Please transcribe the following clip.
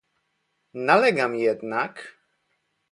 Nalegam jednak